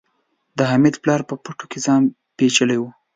د حميد پلار په پټو کې ځان پيچلی و.